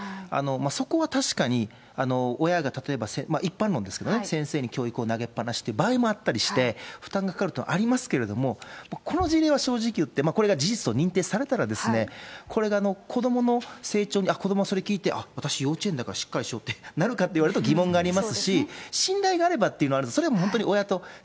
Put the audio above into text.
そこは確かに、親が例えば、一般論ですけどね、先生に教育を投げっぱなしっていう場合もあったりして、負担がかかるっていうのはありますけれども、この事例は正直言って、この事例が事実と認定されたらですね、これが子どもの成長に、子どもがそれを聞いて、あっ、私、幼稚園だからしっかりしようってなるかっていわれると疑問がありますし、信頼があればっていうのはあるんです。